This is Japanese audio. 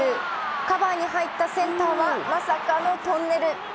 カバーに入ったセンターはまさかのトンネル。